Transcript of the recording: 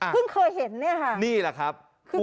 ขึ้นเคยเห็นนี่ค่ะขึ้นกวนเองจริงค่ะนี่แหละครับ